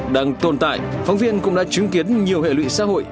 đang tồn tại phóng viên cũng đã chứng kiến nhiều hệ lụy xã hội